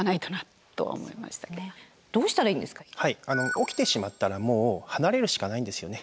起きてしまったらもう離れるしかないんですよね。